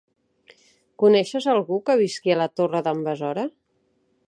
Coneixes algú que visqui a la Torre d'en Besora?